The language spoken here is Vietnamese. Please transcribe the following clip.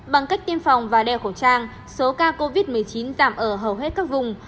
bằng cách tiêm phòng và đeo khẩu trang số ca covid một mươi chín giảm ở hầu hết các vùng